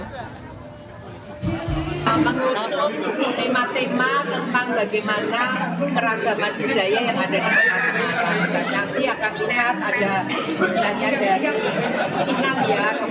ini adalah tema tema tentang bagaimana peragaman budaya yang ada di kota semarang